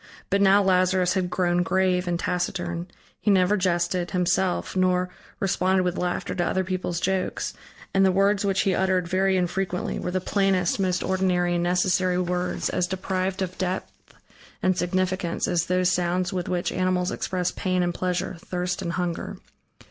But now Lazarus had grown grave and taciturn, he never jested, himself, nor responded with laughter to other people's jokes; and the words which he uttered, very infrequently, were the plainest, most ordinary, and necessary words, as deprived of depth and significance, as those sounds with which animals express pain and pleasure, thirst and hunger.